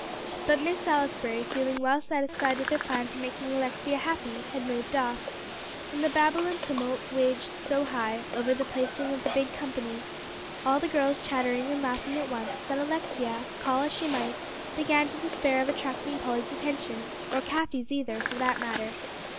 But Miss Salisbury, feeling well satisfied with her plan for making Alexia happy, had moved off. And the babel and tumult waged so high, over the placing of the big company, all the girls chattering and laughing at once, that Alexia, call as she might, began to despair of attracting Polly's attention, or Cathie's either for that matter.